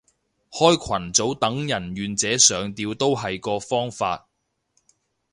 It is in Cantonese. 開群組等人願者上釣都係個方法